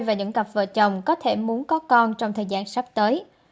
và những cặp vợ chồng có thể muốn có con trong thời gian sắp tới